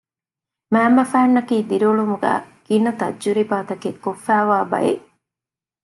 މައިންބަފައިންނަކީ ދިރިއުޅުމުގައި ގިނަ ތަޖުރިބާތަކެއް ކޮށްފައިވާ ބައެއް